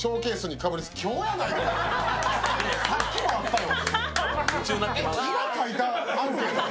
さっきもあったよ。